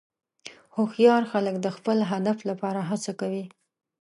هوښیار خلک د خپل هدف لپاره هڅه کوي.